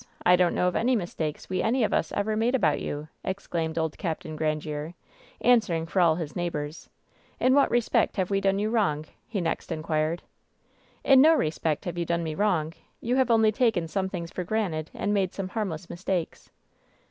I don't know of any mistakes we any of us ever made about you," ex claimed old Capt. Grandiere, answering for all his neigh bors. "In what respect have we done you wrong?'* he next inquired. "In no respect have you done me wrong. You have only taken some things for granted and made some harm less mistakes."